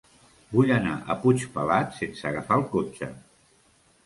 Vull anar a Puigpelat sense agafar el cotxe.